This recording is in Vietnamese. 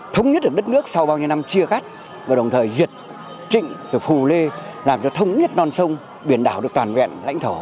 thống nhất được đất nước sau bao nhiêu năm chia cắt và đồng thời diệt trịnh phù lê làm cho thống nhất non sông biển đảo được toàn vẹn lãnh thổ